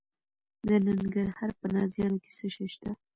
د ننګرهار په نازیانو کې څه شی شته؟